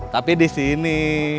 tapi di sini